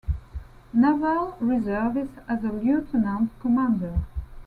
Naval Reserves as a Lieutenant Commander.